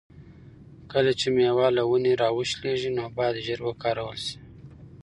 کله چې مېوه له ونې را وشلیږي نو باید ژر وکارول شي.